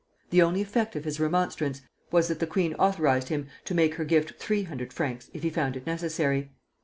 The only effect of his remonstrance was that the queen authorized him to make her gift 300 francs if he found it necessary.